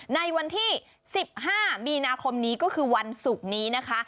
ในวันที่๑๕มีนาคมนี้ก็คือวันศุกร์นี้นะคะ